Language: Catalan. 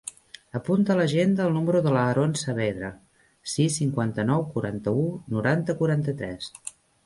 Apunta a l'agenda el número de l'Aaron Saavedra: sis, cinquanta-nou, quaranta-u, noranta, quaranta-tres.